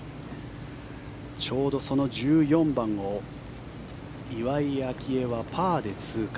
ちょうどその１４番を岩井明愛はパーで通過。